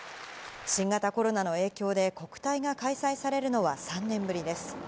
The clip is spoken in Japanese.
新型コロナの影響で、国体が開催されるのは３年ぶりです。